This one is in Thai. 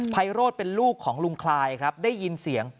ไพโรธเป็นลูกของลุงคลายครับได้ยินเสียง